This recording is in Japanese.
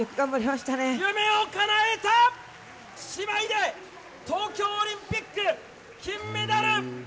夢をかなえた、姉妹で東京オリンピックで金メダル！